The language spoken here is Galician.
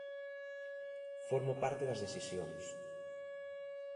Formo parte das decisións.